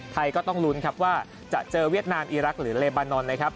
ไทยก็ต้องลุ้นครับว่าจะเจอเวียดนามอีรักษ์หรือเลบานอนนะครับ